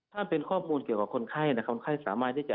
ถ้าเป็นข้อมูลเกี่ยวกับคนไข้คนไข้สามารถที่จะ